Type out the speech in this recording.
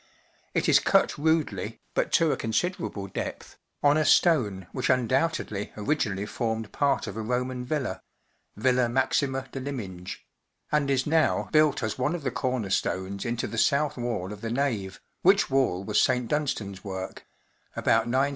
It is cut rudely, but to a considerable depth, on a stone which undoubtedly origin¬ ally formed part of a Roman villa (Villa LYMINGE. Maxima de Lyminge), and is now built as one of the corner stones into the south wall of the nave, which wall was St, Dunstan’s work (about 965 a.